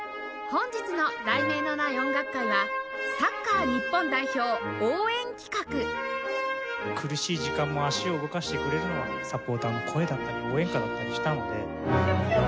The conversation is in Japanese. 本日の『題名のない音楽会』は苦しい時間も足を動かしてくれるのはサポーターの声だったり応援歌だったりしたので。